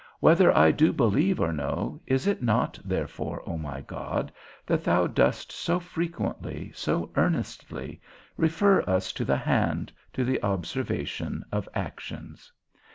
whether I do believe or no, is it not therefore, O my God, that thou dost so frequently, so earnestly, refer us to the hand, to the observation of actions?